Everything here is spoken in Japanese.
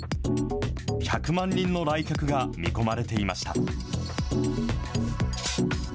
１００万人の来客が見込まれていました。